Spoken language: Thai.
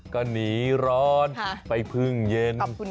ก็หนีร้อนไปพึ่งเย็น